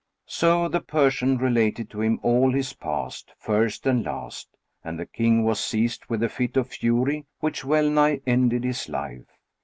So the Persian related to him all his past, first and last, and the King was seized with a fit of fury which well nigh ended his life.